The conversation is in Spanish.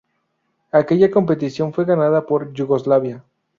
Aquella competición fue ganada por Yugoslavia.